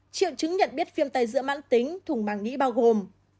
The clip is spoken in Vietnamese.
triệu chứng nhận biết viêm tai dữa mạng tính thùng bằng nghĩ bao gồm